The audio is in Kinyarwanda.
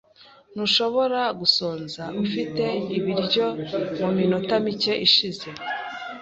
Ntushobora gusonza. Ufite ibiryo mu minota mike ishize.